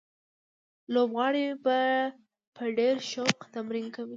لوبغاړي په ډېر شوق تمرین کوي.